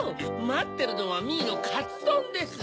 まってるのはミーのカツドンです！